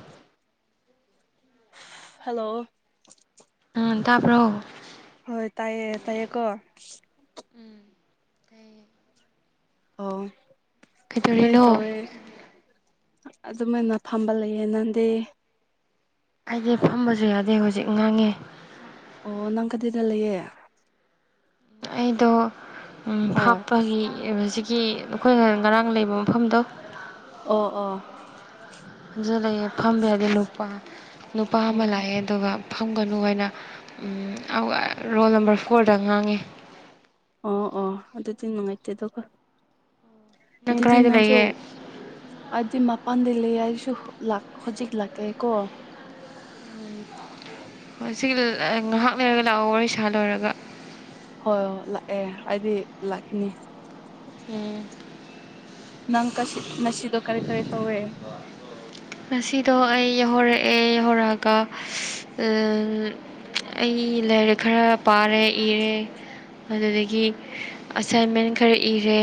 [unintelligible] Hello [unintelligible] ꯇꯥꯕ꯭ꯔꯣ ꯍꯣꯏ ꯇꯥꯏꯌꯦ ꯇꯥꯏꯌꯦꯀꯣ ꯎꯝ ꯇꯥꯏꯌꯦ ꯑꯣ ꯀꯩ ꯀꯩꯗꯧꯔꯤꯅꯣ ꯇꯧꯋꯤ ꯑꯗꯨ ꯃꯩꯅ ꯐꯝꯕ ꯂꯩꯌꯦ ꯅꯪꯗꯤ ꯑꯩꯗꯤ ꯐꯝꯕꯁꯨ ꯌꯥꯗꯦ ꯍꯧꯖꯤꯛ ꯉꯥꯡꯉꯦ ꯑꯣ ꯅꯪ ꯀꯗꯥꯢꯗ ꯂꯩꯌꯦ ꯑꯩꯗꯣ ꯎꯝ ꯍꯣꯏ ꯐꯥꯞꯄꯒꯤ [unintelligible] ꯅꯈꯣꯏꯅ ꯉ ꯉꯔꯥꯡ ꯂꯩꯕ ꯃꯐꯝꯗꯣ ꯑꯣ ꯑꯣ ꯐꯖ ꯂꯩꯑꯦ ꯐꯝꯕ ꯌꯥꯗꯦ ꯅꯨꯄꯥ ꯅꯨꯄꯥ ꯑꯃ ꯑꯣ ꯂꯥꯛꯑꯦ ꯑꯗꯨꯒ ꯐꯝꯒꯅꯨ ꯍꯥꯏꯅ ꯎꯝ [unintelligible] ꯔꯣꯜ ꯅꯝꯕꯔ ꯐꯣꯔꯗ ꯉꯥꯡꯉꯦ ꯑꯣ ꯑꯣ ꯑꯗꯨꯗꯤ ꯅꯨꯡꯉꯥꯏꯇꯦꯗ ꯑꯣ ꯅꯪ ꯑꯗꯨꯗꯤ ꯀꯗꯥꯏꯗ ꯅꯪꯁꯨ ꯂꯩꯒꯦ [unintelligible] ꯃꯥꯄꯥꯟꯗꯩ ꯂꯩ ꯍꯥꯏꯁꯨ ꯍꯨ ꯂꯥꯛ ꯍꯨꯖꯤꯛ ꯂꯥꯛꯀꯦ ꯀꯣ ꯍꯧꯏ ꯁꯤ [unintelligible] ꯉꯥꯏꯍꯥꯛ ꯂꯩꯔꯒ ꯂꯥꯛꯑꯣ ꯋꯥꯔꯤ ꯁꯥ ꯂꯣꯏꯔꯒ ꯍꯣꯏ ꯂꯥꯛꯑꯦ ꯑꯩꯗꯤ ꯂꯥꯛꯈꯤꯅꯤ [unintelligible] ꯎꯝ [unintelligible] ꯅꯪ ꯀꯁꯤ ꯅꯁꯤꯗꯣ ꯀꯔꯤ ꯀꯔꯤ ꯇꯧꯋꯦ ꯉꯁꯤꯗꯣ ꯑꯩ ꯌꯧꯍꯧꯔꯛꯑꯦ ꯌꯧꯍꯧꯔꯛꯑꯒ [unintelligible] ꯑꯩ ꯂꯥꯏꯔꯤꯛ ꯈꯔ ꯄꯥꯔꯦ ꯏꯔꯦ ꯑꯗꯨꯗꯒꯤ ꯑꯁꯥꯏꯟꯃꯦꯟ ꯈꯔ ꯏꯔꯦ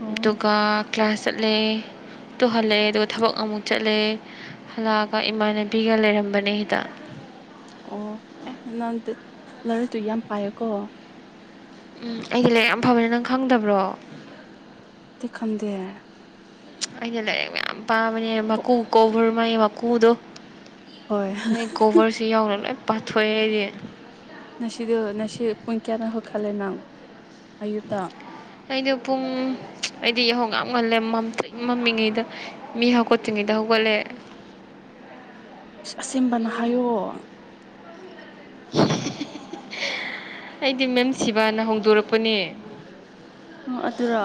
ꯑꯣ ꯑꯗꯨꯒ ꯀ꯭ꯂꯥꯁ ꯆꯠꯂꯦ ꯇꯨꯍꯜꯂꯦ ꯑꯗꯨꯒ ꯊꯕꯛ ꯑꯃꯨꯛ ꯆꯠꯂꯦ ꯍꯜꯂꯛꯑꯒ ꯏꯃꯥꯟꯅꯕꯤꯒ ꯂꯩꯔꯝꯕꯅꯦ ꯍꯤꯗꯥꯛ ꯑꯣ ꯑꯦ ꯅꯪꯗꯤ ꯂꯥꯏꯔꯤꯛꯇꯨ ꯌꯥꯝ ꯄꯥꯏꯌꯦꯀꯣ ꯎꯝ ꯑꯩꯗꯤ ꯂꯥꯏꯔꯤꯛ ꯌꯥꯝ ꯐꯕꯅꯦ ꯅꯪ ꯈꯪꯗꯕ꯭ꯔꯣ [unintelligible] ꯈꯪꯗꯦ ꯑꯩꯅ ꯂꯥꯏꯔꯤꯛ ꯃꯌꯥꯝ ꯄꯥꯝꯕꯅꯦ ꯃꯀꯨ ꯀꯧꯕꯣꯔ ꯃꯥꯏ ꯃꯀꯨꯗꯣ ꯍꯣꯏ ꯃꯥꯒꯤ [unintelligible] ꯀꯣꯕꯔꯁꯤ ꯌꯥꯎꯅ ꯂꯣꯏ ꯄꯥꯊꯣꯛꯑꯦ ꯑꯩꯗꯤ ꯅꯁꯤꯗꯨ ꯅꯁꯤ ꯄꯨꯡ ꯀꯌꯥꯗ ꯍꯧꯈꯠꯂꯦ ꯅꯪ ꯑꯌꯨꯛꯇ ꯑꯩꯗꯣ ꯄꯨꯡ [unintelligible] ꯑꯩꯗꯤ ꯌꯥꯍꯧ ꯌꯥꯝ ꯉꯜꯂꯦ ꯃꯝꯇ꯭ꯔꯤꯛ ꯃꯃꯤꯉꯩꯗ ꯃꯤ ꯍꯀꯣꯠꯇꯔꯤꯉꯩꯗ ꯍꯩꯒꯣꯂꯦ [unintelligible] ꯑꯁꯦꯡꯕꯅ ꯍꯥꯏꯌꯣ [unintelligible] ꯑꯩꯗꯤ ꯃꯦꯝ ꯁꯤꯕꯥꯅ ꯍꯧꯗꯣꯔꯛꯄꯅꯦ ꯑꯣ ꯑꯗꯨꯔꯣ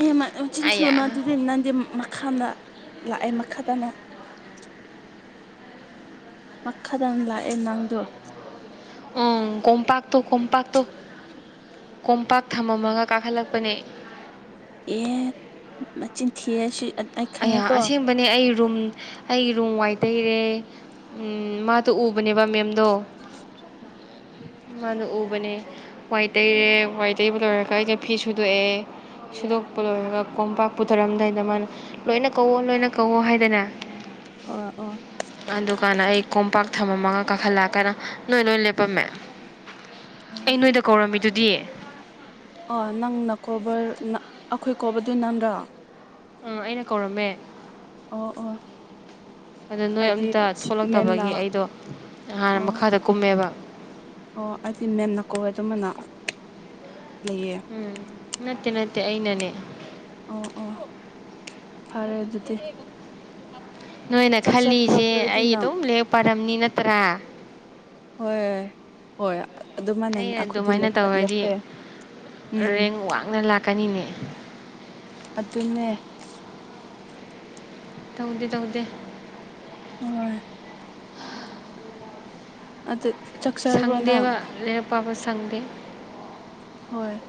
ꯑꯦ ꯃ ꯑꯌꯥ ꯃꯆꯤꯟꯊꯤꯒꯅꯣ ꯑꯗꯨꯗꯤ ꯅꯪꯗꯤ ꯃꯈꯥꯅ ꯂꯥꯛꯑꯦ ꯃꯈꯥꯗꯅ ꯃꯈꯥꯗꯅ ꯂꯥꯛꯑꯦ ꯅꯪꯗꯣ ꯎꯝ ꯀꯣꯝꯄꯥꯛꯇꯣ ꯀꯣꯝꯄꯥꯛꯇꯣ ꯀꯣꯝꯄꯥꯛ ꯊꯝꯃꯝꯃꯒ ꯀꯥꯈꯠꯂꯛꯄꯅꯦ ꯑꯦ ꯅꯆꯤꯟ ꯊꯤꯌꯦ [unintelligible] ꯑꯌꯥ ꯈꯪꯉꯦꯀꯣ ꯑꯁꯦꯡ ꯕꯅꯦ ꯑꯩ ꯔꯨꯝ ꯑꯩꯒꯤꯔꯨꯝ ꯋꯥꯔ ꯇꯩꯔꯦ ꯎꯝ ꯃꯥꯗꯣ ꯎꯕꯅꯦꯕ ꯃꯦꯝ‌ ꯗꯣ [unintelligible] ꯃꯥꯅ ꯎꯕꯅꯦ ꯋꯥꯏ ꯇꯩꯔꯦ ꯋꯥꯏ ꯇꯩꯕ ꯂꯣꯏꯔꯒ ꯑꯩꯁꯦ ꯐꯤ ꯁꯨꯗꯣꯛꯑꯦ ꯁꯤꯗꯣꯛꯄ ꯂꯣꯏꯔꯒ ꯀꯣꯝꯄꯥꯛ ꯄꯨꯊꯔꯝꯗꯥꯏꯗ ꯃꯥꯅ ꯂꯣꯏꯅ ꯀꯧꯋꯣ ꯂꯣꯏꯅ ꯀꯧꯋꯣ ꯍꯥꯏꯗꯅ ꯍꯣꯢ ꯑꯣ ꯑꯗꯨꯀꯥꯟꯗ ꯑꯩ ꯀꯣꯝꯄꯥꯛ ꯊꯝꯃꯝꯃꯒ ꯀꯥꯈꯠꯂꯛꯑꯀꯥꯟꯗ ꯅꯣꯏ ꯂꯣꯢ ꯂꯦꯞꯄꯝꯃꯦ ꯑꯩ ꯅꯣꯏꯗ ꯀꯧꯔꯝꯃꯤꯗꯨꯗꯤ ꯑꯣ ꯅꯪꯅ ꯀꯣꯕꯥꯔ ꯅ ꯑꯩꯈꯣꯏ ꯀꯧꯕꯗꯨ ꯅꯪꯔꯥ ꯎꯝ ꯑꯩꯅ ꯀꯧꯔꯝꯃꯦ ꯑꯣ ꯑꯣ ꯑꯗꯣ ꯅꯣꯏ ꯍꯥꯏꯗꯤ ꯑꯝꯇ ꯃꯦꯝꯅ ꯊꯣꯛꯂꯛꯇꯕꯒꯤ ꯑꯩꯗꯣ ꯍꯥꯟꯅ ꯑꯣ ꯃꯈꯥꯗ ꯀꯨꯝꯃꯦꯕ ꯑꯣ ꯑꯩꯗꯤ ꯃꯦꯝꯅ ꯀꯧꯋꯦ ꯑꯗꯨꯃꯥꯢꯅ ꯂꯩꯌꯦ ꯎꯝ ꯅꯠꯇꯦ ꯅꯠꯇꯦ ꯑꯩꯅꯅꯦ ꯑꯣ ꯑꯣ ꯐꯔꯦ ꯑꯗꯨꯗꯤ ꯅꯣꯏꯅ ꯆꯥꯛ ꯆꯥꯕ꯭ꯔꯣ ꯈꯜꯂꯤꯁꯦ ꯑꯗꯨꯗꯤ ꯑꯩ ꯅꯪ ꯑꯗꯨꯝ ꯂꯥꯢꯔꯤꯛ ꯄꯥꯔꯝꯅꯤ ꯅꯠꯇ꯭ꯔꯥ ꯍꯣꯏ ꯍꯣꯏ ꯑꯗꯨꯃꯥꯏꯅꯅꯦ ꯑꯩꯅ ꯑꯩꯈꯣꯏꯗꯤ ꯑꯗꯨꯃꯥꯏꯅ ꯇꯧꯔꯗꯤ ꯂꯦꯞꯄꯦ ꯎꯝ ꯔꯦꯡ ꯋꯥꯡꯅ ꯂꯥꯛꯀꯅꯤꯅꯦ ꯑꯗꯨꯅꯦ ꯇꯧꯗꯦ ꯇꯧꯗꯦ ꯍꯣꯏ ꯑꯗꯨ ꯆꯥꯛ ꯆꯥꯔꯕ꯭ꯔꯣ ꯅꯪ ꯆꯥꯕ ꯁꯪꯗꯦ ꯍꯣꯏ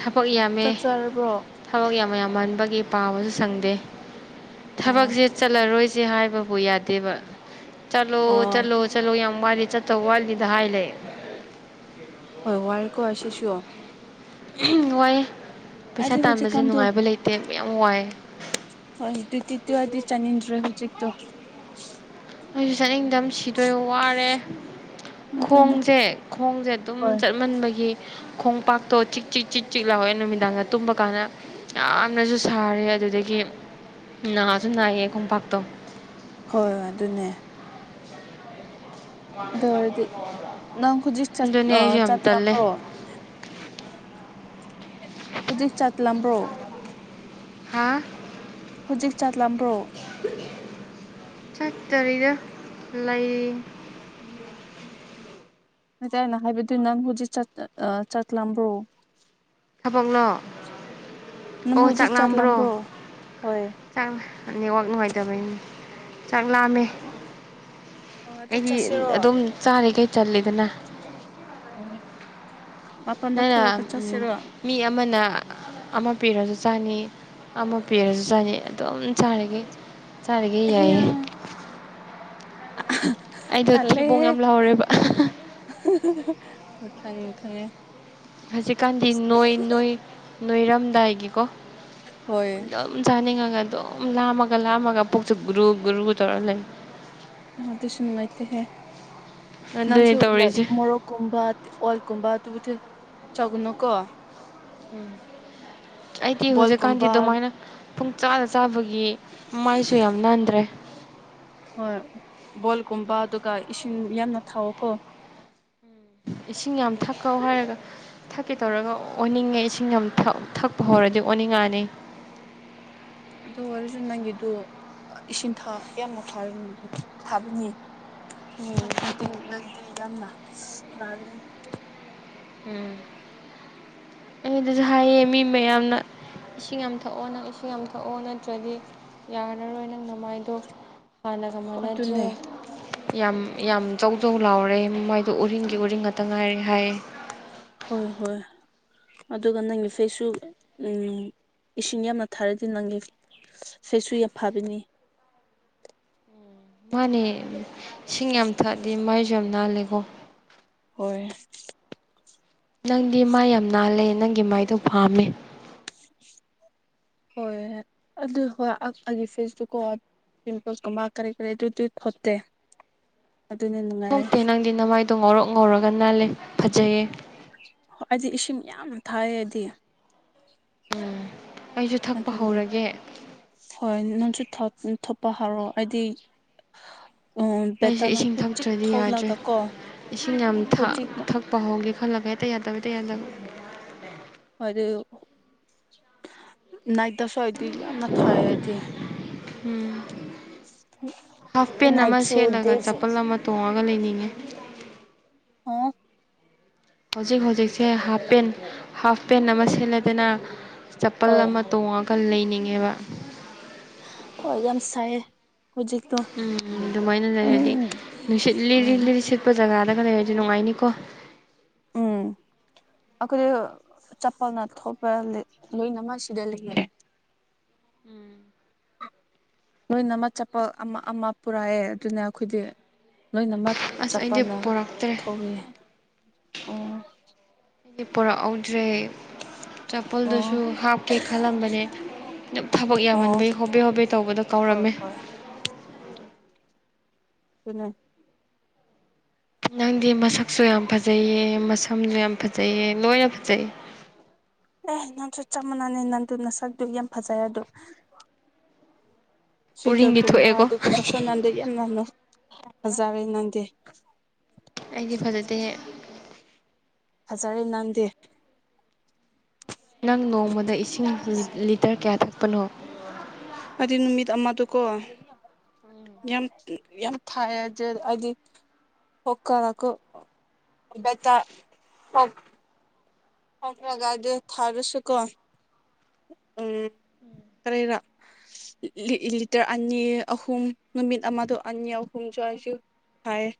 ꯊꯕꯛ ꯌꯥꯝꯃꯦ ꯆꯥꯛ ꯆꯥꯔꯕ꯭ꯔꯣ ꯊꯕꯛ ꯌꯥꯝ ꯌꯥꯝꯃꯟꯕꯒꯤ ꯄꯥꯕꯖꯨ ꯁꯪꯗꯦ꯫ ꯑꯣ ꯊꯕꯛꯖꯦ ꯆꯠꯂꯔꯣꯏꯁꯦ ꯍꯥꯏꯕꯕꯨ ꯌꯥꯗꯦꯕ ꯑꯣ ꯆꯠꯂꯣ-ꯆꯠꯂꯣ ꯆꯠꯂꯣ ꯌꯥꯝ ꯋꯥꯠꯂꯤ ꯆꯠꯇꯧ ꯋꯥꯠꯂꯤꯗ ꯍꯥꯏ ꯂꯩ꯫ ꯍꯣꯏ ꯋꯥꯢꯀꯣ ꯑꯁꯤꯁꯨ ꯎꯝ ꯋꯥꯏꯌꯦ ꯍꯥꯏꯗꯤ ꯄꯩꯁꯥ ꯇꯥꯟꯕꯖꯦ ꯍꯧꯖꯤꯛꯀꯥꯟꯗꯣ ꯅꯨꯡꯉꯥꯏꯕ ꯂꯩꯇꯦ ꯃꯌꯥꯝ ꯋꯥꯏ꯫ ꯍꯣꯏ ꯗꯨꯗꯤꯗꯨ ꯑꯩꯗꯤ ꯆꯠꯅꯤꯡꯗ꯭ꯔꯦ ꯍꯧꯖꯤꯛꯇꯣ꯫ ꯑꯩꯖꯨ ꯆꯠꯅꯤꯡꯗꯝ ꯁꯤꯗꯣꯏ ꯋꯥꯔꯦ ꯑꯗꯨꯅꯦ ꯈꯣꯡꯖꯦ ꯈꯣꯡꯖꯦ ꯑꯗꯨꯝ ꯍꯣꯏ ꯆꯠꯃꯟꯕꯒꯤ ꯈꯣꯡꯄꯥꯛꯇꯣ ꯆꯤꯛ-ꯆꯤꯛ-ꯆꯤꯛ-ꯆꯤꯛ ꯂꯥꯎꯋꯦ ꯅꯨꯃꯤꯗꯥꯡꯗ ꯇꯨꯝꯕ ꯀꯥꯟꯗ꯫ ꯌꯥꯝꯅꯁꯨ ꯁꯥꯔꯦ ꯑꯗꯨꯗꯒꯤ ꯅꯥꯖꯨ ꯅꯥꯏꯌꯦ ꯈꯣꯡꯄꯥꯛꯇꯣ꯫ ꯍꯣꯏ ꯍꯣꯏ ꯑꯗꯨꯅꯦ ꯑꯗꯨꯑꯣꯏꯔꯗꯤ ꯅꯪ ꯍꯧꯖꯤꯛ ꯆꯠ ꯑꯗꯨꯅꯦ ꯑꯥ ꯑꯩꯁꯨ ꯌꯥꯝ ꯇꯜꯂꯦ ꯆꯠꯒꯗꯕ꯭ꯔꯣ꯫ ꯍꯧꯖꯤꯛ ꯆꯥꯛ ꯂꯝꯕ꯭ꯔꯣ ꯍꯥꯥ ꯍꯧꯖꯤꯛ ꯆꯥꯛ ꯂꯝꯕ꯭ꯔꯣ ꯆꯠꯇꯔꯤꯗ ꯂꯩ ꯅꯠꯇꯦ ꯑꯩꯅ ꯍꯥꯏꯕꯗꯤ ꯅꯪ ꯍꯧꯖꯤꯛ ꯆꯠ ꯑ-ꯑ ꯆꯥꯛ ꯂꯝꯕ꯭ꯔꯣ꯫ ꯊꯕꯛꯂꯣ ꯅꯪ ꯑꯣ ꯍꯧꯖꯤꯛ ꯆꯥꯛ ꯂꯥꯝꯕ꯭ꯔꯣ ꯂꯝꯕ꯭ꯔꯣ ꯍꯣꯏ꯫ ꯆꯥꯛ ꯅꯦꯠꯋꯥꯛ ꯅꯨꯡꯉꯥꯏꯇꯕꯩꯅꯤ ꯆꯥꯛ ꯂꯥꯝꯃꯦ꯫ ꯑꯣ ꯑꯗꯨ ꯑꯩꯗꯤ ꯑꯗꯨꯝ ꯆꯥꯔꯤꯉꯩ ꯆꯜꯂꯤꯗꯅ ꯑꯣꯋꯣ ꯃꯥꯄꯟꯗ ꯅꯪꯅ ꯊꯣꯛꯔꯒ ꯆꯠꯁꯤꯔꯣ꯫ ꯃꯤ ꯑꯃꯅ ꯑꯃ ꯄꯤꯔꯖꯨ ꯆꯥꯅꯤ꯫ ꯑꯃ ꯄꯤꯔꯖꯨ ꯆꯥꯅꯤ ꯑꯗꯨꯝ ꯆꯥꯔꯤꯒꯩ [unintelligible] ꯑꯩꯗꯣ ꯊꯤꯕꯣꯡ ꯇꯜꯂꯦꯍꯦ ꯌꯝ ꯂꯥꯎꯔꯦꯕ [unintelligible] [unintelligible] ꯈꯪꯉꯦ ꯈꯪꯉꯦ ꯍꯧꯖꯤꯛꯀꯥꯟꯗꯤ ꯅꯣꯏ-ꯅꯣꯏ-ꯅꯣꯏꯔꯝꯗꯥꯏꯒꯤꯀꯣ ꯍꯣꯏ ꯗꯨꯝ ꯆꯥꯅꯤꯡꯉꯒ ꯑꯗꯨꯝ ꯂꯥꯝꯃꯒ ꯂꯥꯝꯃꯒ ꯄꯨꯛꯁꯨ ꯒꯨꯔꯨ ꯒꯨꯔꯨ ꯇꯧꯔ ꯂꯩ꯫ ꯍ ꯗꯨꯁꯨ ꯅꯨꯡꯉꯥꯏꯇꯦꯍꯦ ꯅꯥꯟꯁꯨ ꯑꯗꯨꯅꯦ ꯂꯥꯏꯞ ꯇꯧꯔꯤꯁꯦ ꯃꯣꯔꯣꯛ ꯀꯨꯨꯝꯕ ꯑꯣꯜꯀꯨꯝꯕ ꯇꯨꯕꯨꯇꯨ ꯆꯒꯅꯣꯀꯣ꯫ ꯎꯝ ꯑꯩꯗꯤ ꯍꯨꯖꯤꯛꯀꯥꯟꯗꯤ ꯕꯣꯜꯒꯨꯝꯕ ꯗꯨꯃꯥꯏꯅ ꯄꯨꯡꯆꯥꯗ ꯆꯥꯕꯒꯤ ꯃꯥꯏꯁꯨ ꯌꯥꯝ ꯅꯥꯟꯗ꯭ꯔꯦ꯫ ꯍꯣꯏ ꯕꯣꯜꯀꯨꯝꯕ ꯇꯨꯀ ꯏꯁꯤꯡ ꯌꯥꯝꯅ ꯊꯥꯛꯑꯣꯀꯣ ꯏꯁꯤꯡ ꯌꯥꯝ ꯊꯛꯀꯧ ꯍꯥꯏꯔꯒ ꯊꯛꯀꯦ ꯇꯧꯔꯒ ꯑꯣꯟꯅꯤꯡꯉꯦ ꯏꯁꯤꯡ ꯌꯥꯝ ꯊꯛ-ꯊꯛꯄ ꯍꯧꯔꯗꯤ ꯑꯣꯟꯅꯤꯡꯉꯅꯤ꯫ ꯑꯗꯨꯑꯣꯏꯔꯖꯨ ꯅꯪꯒꯤꯗꯨ ꯑ ꯏꯁꯤꯡ ꯊ ꯌꯥꯝꯅ ꯊꯥꯔꯑꯝ ꯐꯥꯕꯅꯤ꯫ ꯎꯝ [inaudible] ꯎꯝ ꯑꯩꯗꯖꯨ ꯍꯥꯏꯌꯦ ꯃꯤ ꯃꯌꯥꯝꯅ꯫ ꯏꯁꯤꯡ ꯌꯥꯝ ꯊꯛꯑꯣ ꯅꯪ ꯏꯁꯤꯡ ꯌꯥꯝ ꯊꯛꯑꯣ ꯅꯠꯇ꯭ꯔꯗꯤ ꯌꯥꯔꯔꯣꯏ ꯅꯪ ꯅꯃꯥꯏꯗꯣ ꯍꯥꯟꯅꯒ ꯃꯥꯟꯅꯗ꯭ꯔꯦ꯫ ꯑꯗꯨꯅꯦ ꯌꯥꯝ-ꯌꯥꯝ ꯖꯧ-ꯖꯧ ꯂꯥꯎꯔꯦ ꯃꯥꯏꯗꯣ ꯎꯔꯤꯡꯒꯤ ꯎꯔꯤꯡ ꯉꯥꯛꯇ ꯉꯥꯏꯔꯦ ꯍꯥꯏꯌꯦ꯫ ꯍꯣꯏ-ꯍꯣꯏ ꯑꯗꯨꯒ ꯅꯪꯒꯤ ꯐꯦꯁꯁꯨ ꯎꯝ ꯏꯁꯤꯡ ꯌꯥꯝꯅ ꯊꯥꯔꯗꯤ ꯅꯪꯒꯤ ꯐꯦꯁꯁꯨ ꯌꯥꯞ ꯐꯕꯅꯤ꯫ ꯃꯥꯅꯦ ꯏꯁꯤꯡ ꯌꯥꯝ ꯊꯛꯑꯗꯤ ꯃꯥꯏꯖꯨ ꯌꯥꯝ ꯅꯥꯜꯂꯦꯒꯣ꯫ ꯍꯣꯏ ꯅꯪꯗꯤ ꯃꯥꯏ ꯌꯥꯝ ꯅꯥꯜꯂꯦ ꯅꯪꯒꯤ ꯃꯥꯏꯗꯣ ꯄꯥꯝꯃꯦ꯫ ꯍꯣꯏ ꯌꯠ ꯑꯗꯨ ꯍꯣꯏ ꯑꯛ ꯑꯩꯒꯤ ꯐꯦꯁꯇꯨꯀꯣ ꯄꯤꯝꯄꯜꯁꯀꯨꯝꯕ ꯀꯔꯤ ꯀꯔꯤ ꯑꯗꯨꯗꯤ ꯈꯣꯠꯇꯦ ꯑꯗꯨꯅꯦ ꯊꯣꯛꯇꯦ ꯅꯪꯗꯤ ꯅꯃꯥꯏꯗꯣ ꯉꯧꯔꯣꯛ ꯉꯧꯔꯒ ꯅꯥꯜꯂꯦ ꯐꯖꯩꯌꯦ ꯑꯩꯗꯤ ꯏꯁꯤꯡ ꯌꯥꯝꯅ ꯊꯥꯛꯏ ꯑꯩꯗꯤ ꯎꯝ ꯑꯩꯁꯨ ꯊꯛꯄ ꯑꯗꯨꯅꯦ ꯍꯧꯔꯒꯦ ꯍꯣꯏ ꯅꯪꯁꯨ ꯊꯧ ꯊꯨꯞꯄ ꯍꯧꯔꯣ ꯑꯩꯗꯤ ꯎ ꯑꯩꯁꯦ ꯕꯦꯇꯥꯅ ꯏꯁꯤꯡ ꯍꯧꯖꯤꯛ ꯊꯛꯇ꯭ꯔꯗꯤ ꯌꯥꯗ꯭ꯔꯦ ꯊꯣꯛꯂꯛꯒ ꯀꯣ ꯍꯧꯖꯤꯛꯅ [unintelligible] ꯄꯥꯎꯍꯧꯒꯦ ꯈꯜꯂꯒ ꯍꯦꯛꯇ ꯌꯥꯗꯕ ꯍꯦꯛꯇ ꯌꯥꯗꯕ ꯍꯣꯏ ꯑꯗꯨ ꯅꯥꯏꯗꯁꯨ ꯑꯩꯗꯤ ꯌꯥꯝꯅ ꯊꯥꯏ ꯑꯩꯗꯤ ꯎꯝ ꯍꯥꯐ ꯄꯦꯟ ꯑꯃ ꯅꯥꯏꯇ ꯁꯨ ꯁꯦꯠꯂꯒ ꯗꯦꯁꯨ ꯆꯄꯜ ꯑꯃ ꯇꯣꯡꯉꯒ ꯂꯩꯅꯤꯡꯏ ꯑꯣ ꯍꯧꯖꯤꯛ ꯍꯧꯖꯤꯛꯁꯦ ꯍꯥꯞꯐ ꯄꯦꯟ ꯍꯥꯞꯐ ꯄꯦꯟ ꯑꯃ ꯁꯦꯠꯂꯦꯗꯅ ꯆꯄꯜ ꯍꯣꯏ ꯑꯃ ꯇꯣꯡꯉ ꯀ ꯂꯩꯅꯤꯡꯉꯦꯕ ꯍꯣꯏ ꯌꯥꯝ ꯁꯥꯏꯌꯦ ꯍꯧꯖꯤꯛꯇꯣ ꯎꯝ ꯑꯗꯨꯃꯥꯏꯅ ꯂꯩꯔꯗꯤ ꯎꯝ ꯅꯨꯡꯁꯤꯠ ꯂꯤꯔꯤ ꯎꯝ ꯂꯤꯔꯤ ꯁꯤꯠꯄ ꯄ ꯖꯒꯥꯗꯒꯥ ꯂꯩꯗꯤ ꯅꯨꯡꯉꯥꯏꯅꯤꯀꯣ [inaudible] ꯑꯩꯈꯣꯏ ꯆꯄꯜꯅ ꯊꯣꯛꯄ ꯂꯣꯏ ꯂꯣꯏꯅꯃꯛ ꯁꯤꯗ ꯂꯩꯌꯦ ꯎꯝ ꯅꯣꯏꯅꯃꯛ ꯆꯄꯜ ꯑꯃ ꯑꯃ ꯄꯨꯔꯛꯑꯦ ꯑꯗꯨꯅ ꯑꯩꯈꯣꯏꯗꯤ ꯂꯣꯏꯅꯃꯛ ꯑꯁ ꯑꯩꯗꯤ ꯆꯄꯜꯅ ꯄꯣꯔꯛꯇ꯭ꯔꯦ ꯊꯧꯔꯤꯌꯦ ꯎꯝ ꯑꯩꯗꯤ ꯄꯨꯔꯛꯍꯧꯗ꯭ꯔꯦ ꯆꯄꯜꯗꯨꯁꯨ ꯑꯣ ꯍꯥꯞꯀꯦ ꯈꯜꯂꯝꯕꯅꯦ ꯑꯗꯨꯝ ꯊꯕꯛ ꯑꯣ ꯌꯥꯝꯃꯟꯕꯩ ꯍꯣꯕꯦ ꯍꯣꯕꯦ ꯇꯧꯕꯗ ꯍꯣꯏ ꯀꯥꯎꯔꯝꯃꯦ ꯍꯣꯏ ꯑꯗꯨꯅꯦ ꯅꯪꯗꯤ ꯃꯁꯛꯁꯨ ꯌꯥꯝ ꯐꯖꯩꯌꯦ ꯃꯁꯝꯁꯨ ꯌꯥꯝ ꯐꯖꯩꯌꯦ ꯂꯣꯏꯅ ꯐꯖꯩꯌꯦ ꯑꯦ ꯅꯪꯁꯨ ꯆꯞ ꯃꯥꯟꯅꯅꯦ ꯅꯪꯗꯨ ꯅꯁꯛꯗꯨ ꯌꯥꯝ ꯐꯖꯩ ꯑꯗꯣ ꯎꯔꯤꯡꯗꯤ ꯐꯤꯀꯔꯒꯨꯝꯕ ꯊꯣꯛꯑꯦꯀꯣ ꯑꯗꯨꯒꯨꯝꯕꯁꯨ ꯅꯪꯗꯤ ꯌꯥꯝ ꯉꯟꯅꯨ ꯐꯖꯔꯦ ꯅꯪꯗꯤ ꯑꯩꯗꯤ ꯐꯖꯗꯦꯍꯦ ꯐꯖꯔꯦ ꯅꯪꯗꯤ ꯅꯪ ꯅꯣꯡꯃꯗ ꯏꯁꯤꯡ ꯂꯤꯇꯔ ꯀꯌꯥ ꯊꯛꯄꯅꯣ ꯑꯩꯗꯤ ꯅꯨꯃꯤꯠ ꯑꯃꯥꯗꯀꯣ ꯌꯥꯝ ꯌꯥꯝ ꯊꯛꯑꯦ [unintelligible] [unintelligible] ꯐꯈ꯭ꯔꯒꯗ ꯊꯥꯔꯁꯨꯀꯣ ꯎꯝ ꯀꯔꯤꯔꯣ ꯂꯤꯛ ꯂꯤꯇꯔ ꯑꯅꯤ ꯑꯍꯨꯝ ꯅꯨꯃꯤꯠ ꯑꯃꯥꯗ ꯑꯅꯤ ꯑꯍꯨꯝꯁꯨ ꯑꯩꯁꯨ ꯐꯥꯏꯌꯦ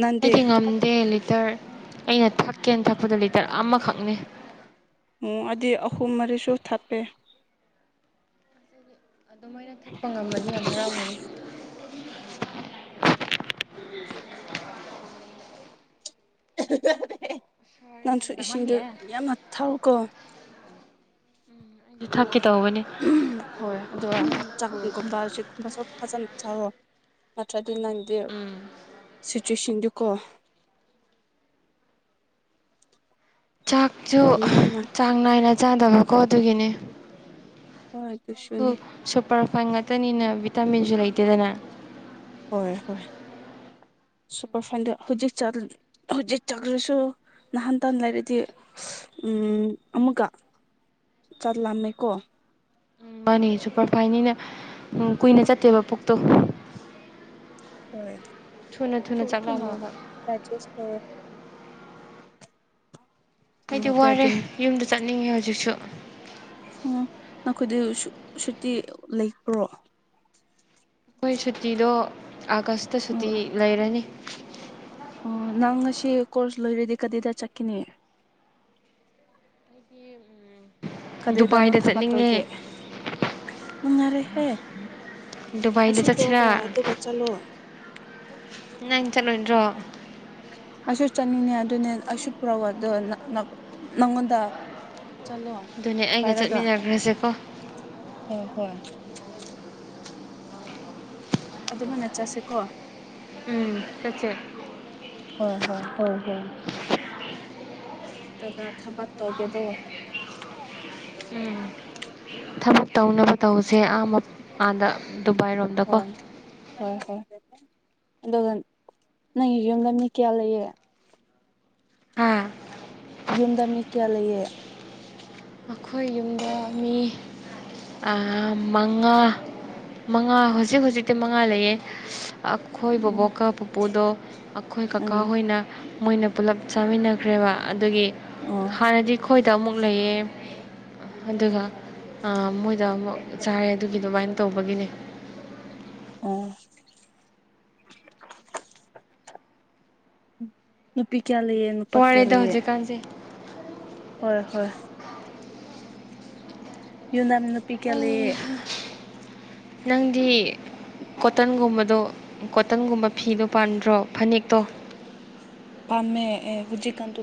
ꯅꯪꯗꯤ ꯑꯩꯗꯤ ꯉꯝꯗꯦ ꯂꯤꯇꯔ ꯑꯩꯅ ꯊꯛꯀꯦꯅ ꯊꯛꯄꯗ ꯂꯤꯇꯔ ꯑꯃꯈꯛꯅꯤ ꯎꯝ ꯑꯩꯗꯤ ꯑꯍꯨꯝ ꯃꯔꯤꯁꯨ ꯊꯥꯞꯄꯦ ꯑꯗꯨꯃꯥꯏꯅ ꯊꯛꯄ ꯉꯝꯃꯥꯗꯤ ꯌꯥꯝ ꯍꯔꯥꯎꯒꯅꯤ [unintelligible] ꯁꯥꯔꯦ ꯅꯪꯁꯨ ꯌꯥꯝꯅ ꯏꯁꯤꯡꯗꯨ ꯌꯥꯝꯅ ꯊꯥꯛꯎꯀꯣ ꯑꯩꯖꯨ ꯊꯛꯀꯦ ꯇꯧꯕꯅꯤ ꯍꯣꯏ ꯑꯗꯣ ꯆꯥꯛꯒꯨꯝꯕ ꯑꯁꯤꯀꯨꯝꯕꯁꯨ ꯐꯖꯅ ꯆꯥꯔꯣ ꯅꯠꯇ꯭ꯔꯗꯤ ꯅꯪꯗꯤ ꯎꯝ ꯁꯤꯆꯨꯋꯦꯁꯟꯗꯨꯀꯣ [inaudible] ꯆꯥꯛꯁꯨ ꯌꯥꯝꯅ ꯆꯥꯡ ꯅꯥꯏꯅ ꯆꯥꯗꯕꯀꯣ ꯑꯗꯨꯒꯤꯅꯦ ꯍꯣꯏ ꯆꯥꯛꯁꯨ ꯑꯗꯨꯁꯨꯅꯤ ꯁꯨꯄꯔꯐꯥꯏꯟ ꯉꯥꯛꯇꯅꯤꯅ ꯚꯤꯇꯥꯃꯤꯟꯁꯨ ꯂꯩꯇꯦꯗꯅ ꯍꯣꯏ ꯍꯣꯏ ꯁꯨꯄꯔꯐꯥꯏꯟꯗꯨ ꯍꯧꯖꯤꯛ ꯆꯠ ꯍꯧꯖꯤꯛ ꯆꯠꯈ꯭ꯔꯁꯨ ꯅꯍꯥꯟ ꯇꯥꯟ ꯂꯩꯔꯗꯤ ꯎꯝ ꯑꯃꯨꯛꯀ ꯆꯥꯛ ꯂꯝꯃꯦꯀꯣ ꯎꯝ ꯃꯥꯅꯦ ꯁꯨꯄꯔ ꯐꯥꯏꯟ ꯅꯤꯅꯥ ꯀꯨꯏꯅ ꯆꯠꯇꯦꯕ ꯄꯨꯛꯇꯣ ꯍꯣꯏ ꯊꯨꯅ ꯊꯨꯅ ꯊꯨ ꯊꯨꯅꯥ ꯆꯥꯛꯂꯛꯑꯝꯃꯦꯕ ꯗꯥꯏꯖꯦꯁꯠ ꯇꯧꯑꯦ ꯑꯩꯗꯤ ꯅꯨꯡꯉꯥꯏꯇꯦ ꯋꯥꯔꯦ ꯑꯗꯨꯅ ꯌꯨꯝꯗ ꯆꯠꯅꯤꯡꯉꯦ ꯍꯧꯖꯤꯛꯁꯨ ꯑꯣ ꯅꯈꯣꯏꯗꯤ ꯁꯨ ꯁꯨꯇꯤ ꯂꯩꯕ꯭ꯔꯣ ꯑꯩꯈꯣꯏ ꯁꯨꯇꯤꯗꯣ ꯑꯥꯒꯁꯇ ꯁꯨꯇꯤ ꯑꯣ ꯂꯩꯔꯅꯤ ꯑꯣ ꯅꯪ ꯉꯁꯤ ꯀꯣꯔꯁ ꯂꯣꯏꯔꯗꯤ ꯀꯗꯤꯗ ꯆꯠꯈꯤꯅꯤ ꯑꯩꯗꯤ ꯎꯝ ꯀꯗꯩꯗꯅꯣ ꯊꯕꯥ ꯇꯧꯒꯦ ꯅꯨꯡꯉꯥꯏꯔꯦꯍꯦ ꯗꯨꯕꯥꯏꯗ ꯑꯁꯤ ꯆꯠꯁꯤꯔꯥ ꯄꯨꯔꯒ ꯑꯗꯨꯒ ꯆꯠꯂꯣ ꯅꯪ ꯆꯠꯂꯣꯏꯗ꯭ꯔꯣ ꯑꯩꯁꯨ ꯆꯠꯅꯤꯡꯉ ꯑꯗꯨꯅꯦ ꯑꯩꯁꯨ ꯄꯨꯔꯛꯑꯣ ꯑꯗꯣ ꯅꯪ ꯅꯪ ꯅꯪꯉꯣꯟꯗ ꯆꯠꯂꯣ ꯑꯗꯨꯅꯦ ꯑꯩꯒ ꯄꯥꯏꯔꯒ ꯆꯠꯃꯤꯟꯅꯈ꯭ꯔꯁꯦꯀꯣ ꯍꯣꯏ ꯍꯣꯏ [unintelligible] ꯑꯗꯨꯃꯥꯏꯅ ꯆꯠꯁꯤꯀꯣ ꯎꯝ ꯆꯠꯁꯦ [unintelligible] ꯍꯣꯏ ꯍꯣꯏ ꯍꯣꯏ ꯍꯣꯏ [unintelligible] [unintelligible] ꯊꯕꯛ ꯇꯧꯒꯦꯗꯣ ꯎꯝ ꯊꯕꯛ ꯇꯧꯅꯕ ꯇꯧꯁꯦ ꯑꯥ ꯃꯞꯄꯥꯟꯗ ꯗꯨꯕꯥꯏꯔꯣꯝꯗꯀꯣ ꯍꯣꯏ ꯍꯣꯏ ꯍꯣꯏ ꯑꯗꯨꯒ ꯅꯪꯒꯤ ꯌꯨꯝꯗ ꯃꯤ ꯀꯌꯥ ꯂꯩꯌꯦ ꯍꯥꯥ ꯌꯨꯝꯗ ꯃꯤ ꯀꯌꯥ ꯂꯩꯌꯦ ꯑꯩꯈꯣꯏ ꯌꯨꯝꯗ ꯃꯤ ꯑꯥ ꯃꯉꯥ ꯃꯉꯥ ꯍꯧꯖꯤꯛ ꯍꯧꯖꯤꯛꯇꯤ ꯃꯉꯥ ꯂꯩꯌꯦ ꯑꯩꯈꯣꯏ ꯎꯝ ꯕꯕꯣꯛꯀ ꯄꯨꯄꯨꯗꯣ ꯑꯩꯈꯣꯏ ꯀꯀꯥ ꯎꯝ ꯍꯣꯏꯅ ꯃꯣꯏꯅ ꯄꯨꯂꯞ ꯆꯥꯃꯤꯟꯅꯈ꯭ꯔꯦꯕ ꯑꯗꯨꯒꯤ ꯑꯣ ꯍꯥꯟꯅꯗꯤ ꯑꯩꯈꯣꯏꯗ ꯑꯃꯨꯛ ꯂꯩꯌꯦ ꯑꯗꯨꯒ ꯑ ꯃꯣꯏꯗ ꯑꯃꯨꯛ ꯆꯥꯔꯦ ꯑꯗꯨꯒꯤ ꯑꯗꯨꯃꯥꯏꯅ ꯇꯧꯕꯒꯤꯅꯦ ꯎꯝ [unintelligible] ꯅꯨꯄꯤ ꯀꯌꯥ ꯂꯌꯦ ꯅꯨꯄꯥ ꯀꯌꯥ ꯋꯥꯔꯦꯗ ꯂꯩꯌꯦ ꯍꯧꯖꯤꯛꯀꯥꯟꯁꯦ ꯍꯣꯏ ꯍꯣꯏ ꯌꯨꯅꯥꯝ ꯅꯨꯄꯤ ꯀꯌꯥ ꯂꯩꯌꯦ ꯑꯩ ꯅꯪꯗꯤ ꯀꯣꯇꯟꯒꯨꯝꯕꯗꯣ ꯀꯣꯇꯟꯒꯨꯝꯕ ꯐꯤꯗꯣ ꯄꯥꯝꯗ꯭ꯔꯣ ꯐꯅꯦꯛꯇꯣ ꯄꯥꯝꯃꯦ ꯑꯦ ꯍꯨꯖꯤꯛ ꯀꯥꯟꯗꯨ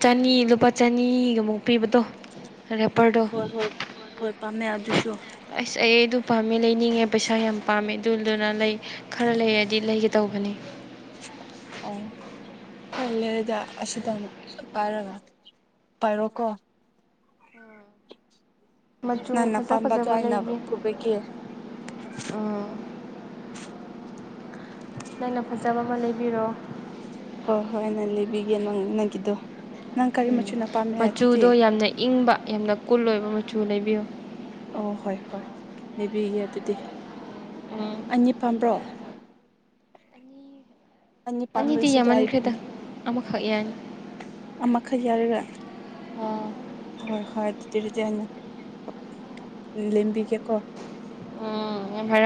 ꯆꯅꯤ ꯂꯨꯄꯥ ꯆꯅꯤꯒꯃꯨꯛ ꯄꯤꯕꯗꯣ ꯔꯦꯄꯔꯗꯣ ꯍꯣꯏ ꯍꯣꯏ ꯍꯣꯏ ꯄꯥꯝꯃꯦ ꯑꯗꯨꯁꯨ ꯑꯁ ꯑꯩ ꯑꯗꯨ ꯄꯥꯝꯃꯦ ꯂꯩꯅꯤꯡꯉꯦ ꯄꯩꯁꯥ ꯌꯥꯝ ꯄꯥꯝꯃꯦ ꯑꯗꯨꯗꯨꯅ ꯂꯩ ꯈꯔ ꯂꯩꯔꯗꯤ ꯂꯩꯒꯦ ꯇꯧꯕꯅꯤ [unintelligible] ꯈꯜꯂꯦꯗ ꯑꯁꯤꯗꯅ ꯄꯥꯏꯔꯒ ꯄꯥꯏꯔꯣꯀꯣ ꯃꯆꯨ ꯅꯪꯅ ꯐꯖ ꯄꯥꯝꯕꯗꯣ ꯐꯖꯕ ꯑꯩꯅ ꯂꯩꯒꯦ ꯄꯨꯕꯤꯒꯦ ꯎꯝ [inaudible] ꯅꯪꯅ ꯐꯖꯕ ꯑꯃ ꯂꯩꯕꯤꯔꯣ ꯍꯣꯏ ꯍꯣꯏꯅ ꯂꯩꯕꯤꯒꯦ ꯅꯪ ꯅꯪꯒꯤꯗꯣ ꯅꯪ ꯀꯔꯤ ꯎꯝ ꯃꯆꯨꯅ ꯄꯥꯝꯃꯦ ꯃꯆꯨꯗꯣ ꯑꯗꯨꯗꯤ ꯌꯥꯝꯅ ꯏꯪꯕ ꯌꯥꯝꯅ ꯀꯨꯜ ꯑꯣꯏꯕ ꯃꯆꯨ ꯂꯩꯕꯤꯌꯨ ꯑꯣ ꯍꯣꯏ ꯍꯣꯏ ꯂꯩꯕꯤꯒꯦ ꯑꯗꯨꯗꯤ ꯑꯅꯤ ꯄꯥꯝꯕ꯭ꯔꯣ ꯑꯅꯤ ꯑꯅꯤꯗꯤ ꯄꯥꯝꯕꯤꯁꯤꯗꯤ ꯌꯥꯝꯃꯟꯈ꯭ꯔꯦꯗ ꯍꯥꯏꯔꯤꯕꯅ ꯑꯃꯈꯛ ꯌꯥꯅꯤ ꯑꯃꯈꯛ ꯌꯥꯔꯔ ꯍꯣꯏ ꯍꯣꯏ ꯑꯗꯨ ꯑꯗꯨꯗꯤ ꯑꯅ ꯂꯦꯝꯕꯤꯒꯦꯀꯣ [unintelligible]